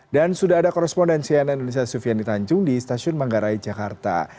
dan sudah ada korespondensi yang indonesia sufian ditancung di stasiun manggarai jakarta